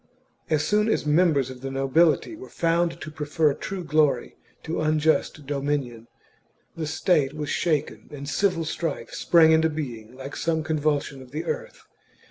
As soon as members of the nobility were found to prefer true glory to unjust dominion, the state was shaken and civil strife sprang into being like some convulsion CHAP, of the earth.